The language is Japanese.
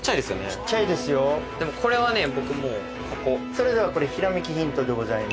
それではひらめきヒントでございます。